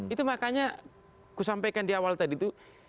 itu makanya kusampaikan di awal tadi itu